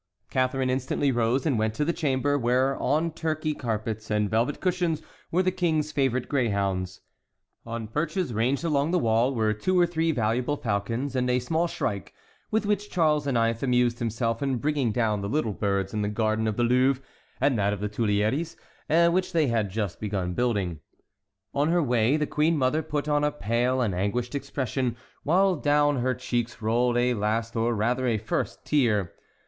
Catharine instantly rose and went to the chamber, where on Turkey carpets and velvet cushions were the King's favorite greyhounds. On perches ranged along the wall were two or three valuable falcons and a small shrike, with which Charles IX. amused himself in bringing down the little birds in the garden of the Louvre, and that of the Tuileries, which they had just begun building. On her way the queen mother put on a pale and anguished expression, while down her cheeks rolled a last or rather a first tear.